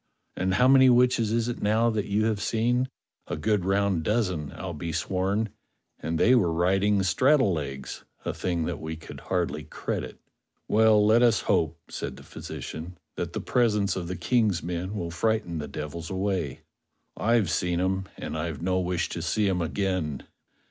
And how many witches is it now that you have seen.^ A good round dozen, I'll be sworn; and they were riding straddle legs, a thing that we could hardly credit." "Well, let us hope," said the physician, "that the presence of the Ejng's men will frighten the devils away. I've seen 'em, and I've no wish to see 'em again."